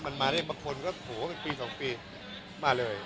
มันมาได้บางคนก็โหเป็นปี๒ปีมาเลย